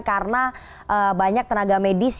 karena banyak tenaga medis